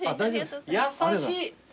優しい。